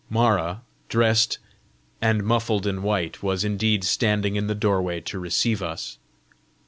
Mara, drest and muffled in white, was indeed standing in the doorway to receive us.